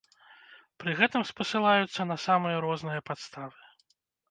Пры гэтым спасылаюцца на самыя розныя падставы.